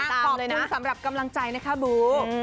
ขอบคุณสำหรับกำลังใจนะคะบู